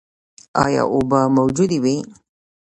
ایا اوبه موجودې وې؟